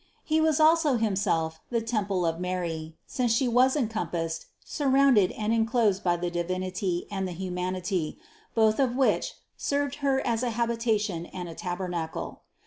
He was also Himself the temple of Mary, since She was encompassed, sur rounded and enclosed by the Divinity and the humanity, both of which served Her as a habitation and a taber nacle.